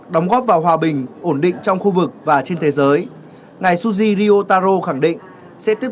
đóng góp vào hòa bình ổn định trong khu vực và trên thế giới ngài suzy ryotaro khẳng định sẽ tiếp